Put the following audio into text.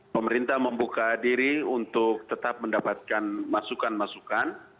pemerintah membuka diri untuk tetap mendapatkan masukan masukan